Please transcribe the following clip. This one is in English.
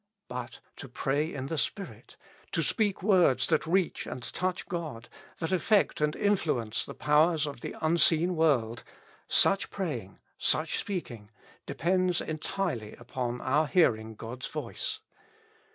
But to pray in the Spirit, to speak words that reach and touch God, that affect and influence the powers of the unseen world, — such praying, such speaking, depends entirely upon our hearing God's voice.